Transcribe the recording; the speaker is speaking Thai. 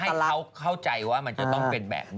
ให้เขาเข้าใจว่ามันจะต้องเป็นแบบนี้